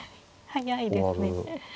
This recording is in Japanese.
速いですね。